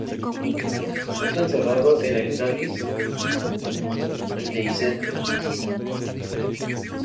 Fruto encerrado en el cáliz, indehiscente.